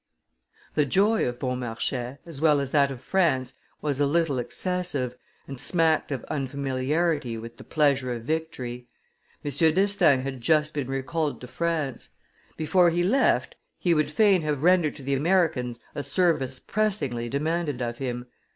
The joy of Beaumarchais, as well as that of France, was a little excessive, and smacked of unfamiliarity with the pleasure of victory. M. d'Estaing had just been recalled to France; before he left, he would fain have rendered to the Americans a service pressingly demanded of him.